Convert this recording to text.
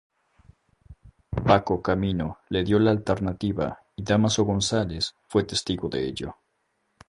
Paco Camino le dio la alternativa y Dámaso González fue testigo de ello.